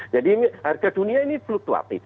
jadi harga dunia ini fluktuatif